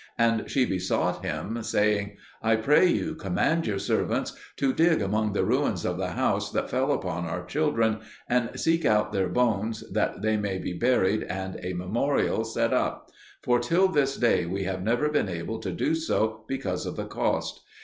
And she besought them, saying, "I pray you, command your servants to dig among the ruins of the house that fell upon our children, and seek out their bones that they may be buried and a memorial set up; for till this day we have never been able to do so because of the cost.